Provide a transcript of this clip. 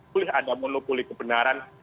boleh ada monopoli kebenaran